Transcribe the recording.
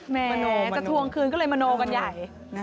แหมจะทวงคืนก็เลยมโนกันใหญ่